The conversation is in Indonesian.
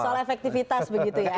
soal efektivitas begitu ya